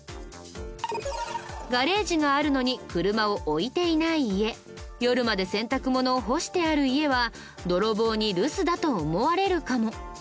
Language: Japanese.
ガレージがあるのに車を置いていない家夜まで洗濯物を干してある家は泥棒に留守だと思われるかも。